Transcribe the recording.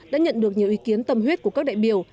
đã nhận được nhiều ý kiến tâm huyết của các đại biểu